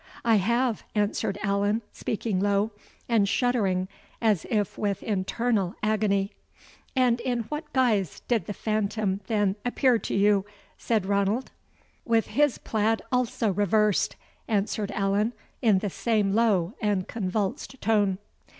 "I have," answered Allan, speaking low, and shuddering as if with internal agony. "And in what guise did the phantom then appear to you?" said Ranald. "With his plaid also reversed," answered Allan, in the same low and convulsed tone.